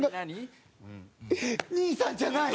兄さんじゃない。